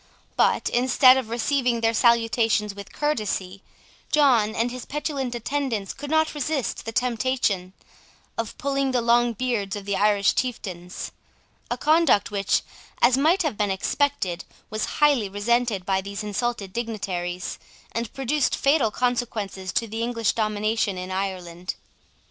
But, instead of receiving their salutations with courtesy, John and his petulant attendants could not resist the temptation of pulling the long beards of the Irish chieftains; a conduct which, as might have been expected, was highly resented by these insulted dignitaries, and produced fatal consequences to the English domination in Ireland.